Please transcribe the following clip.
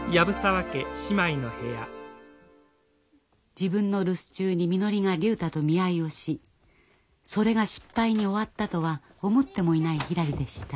自分の留守中にみのりが竜太と見合いをしそれが失敗に終わったとは思ってもいないひらりでした。